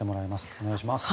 お願いします。